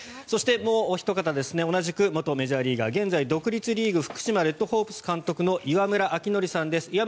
そしてもうおひと方同じく元メジャーリーグで現在は独立リーグ福島レッドホープス監督の岩村明憲さんです。